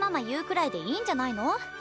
言うくらいでいいんじゃないの？